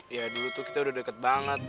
ya dulu tuh kita udah deket banget